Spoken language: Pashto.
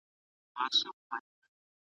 علم د انساني ژوند بنسټ دی.